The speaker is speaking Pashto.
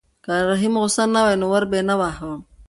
که رحیم غوسه نه وای نو ور به یې نه واهه.